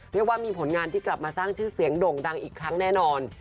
เรียกว่ามีผลงานที่กลับมาสร้างชื่อเสียงด่งดังอีกครั้งแน่นอน